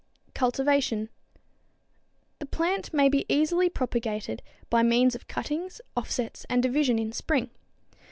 Cultivation. The plant may be easily propagated by means of cuttings, offsets and division in spring.